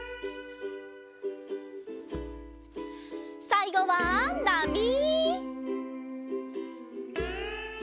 さいごはなみ！